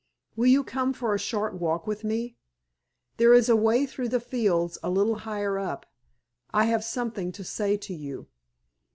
Will you come for a short walk with me? There is a way through the fields a little higher up. I have something to say to you."